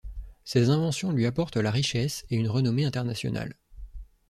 Ses inventions lui apportent la richesse et une renommée internationale.